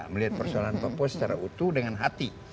melihat persoalan papua secara utuh dengan hati